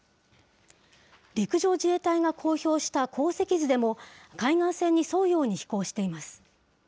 陸上自衛隊が公表した航跡図でも、海岸線に沿うように飛行しています。